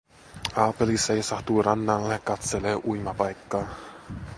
Aapeli seisahtuu rannalle, katselee uimapaikkaa.